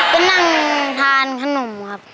ไปนั่งทานขนมครับ